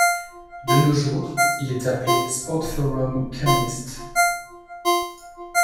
De nos jours, il est appelé Sportforum Chemnitz.